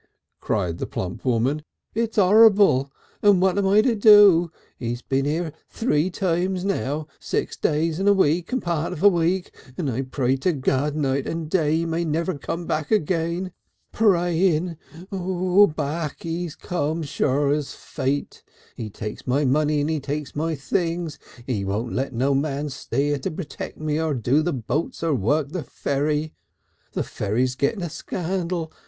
cried the plump woman; "it's 'orrible! And what am I to do? He's been here three times now, six days and a week and a part of a week, and I pray to God night and day he may never come again. Praying! Back he's come sure as fate. He takes my money and he takes my things. He won't let no man stay here to protect me or do the boats or work the ferry. The ferry's getting a scandal.